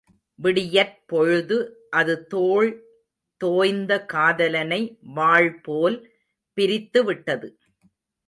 விடியற் பொழுது அது தோள் தோய்ந்த காதலனை வாள்போல் பிரித்துவிட்டது.